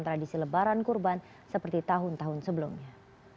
tradisi lebaran kurban seperti tahun tahun sebelumnya